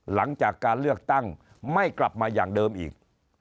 หลังจากการเลือกตั้งไม่กลับมาอย่างเดิมอีก